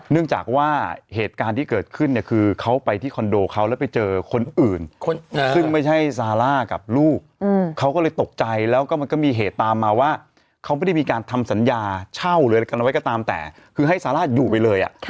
เนื่องจากว่าเหตุการณ์ที่เกิดขึ้นเนี่ยคือเขาไปที่คอนโดเขาแล้วไปเจอคนอื่นซึ่งไม่ใช่ซาร่ากับลูกเขาก็เลยตกใจแล้วก็มันก็มีเหตุตามมาว่าเขาไม่ได้มีการทำสัญญาเช่าหรืออะไรกันเอาไว้ก็ตามแต่คือให้ซาร่าอยู่ไปเลย